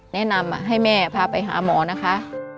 แนะนำให้แม่พาไปหาหมอนะคะ